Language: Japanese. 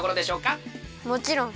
もちろん。